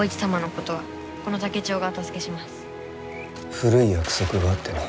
古い約束があってな。